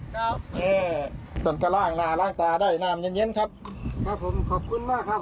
ครับเออจนก็ล้างหน้าล้างตาได้น้ำเย็นเย็นครับครับผมขอบคุณมากครับ